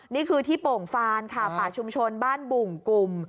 นี่คือที่โป่งฟานค่ะป่าชุมชนบ้านบุ่งกลุ่ม